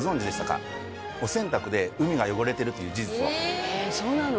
えっそうなの？